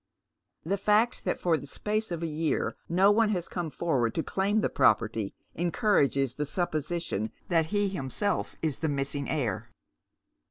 The fact that for the space of a year no one has come forward to claim the property encourages the supposition that he himself is the missing heir.